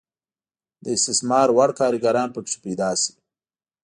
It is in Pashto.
د استثمار وړ کارګران پکې پیدا شي.